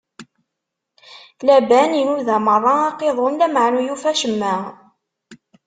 Laban inuda meṛṛa aqiḍun, lameɛna ur yufi acemma.